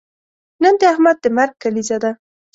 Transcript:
نن د احمد د مرګ کلیزه ده.